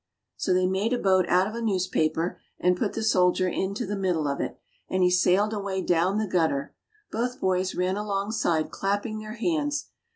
So they made a boat out of a newspaper and put the soldier into the middle of it, and he sailed away down the gutter; both boys ran alongside clapping their hands.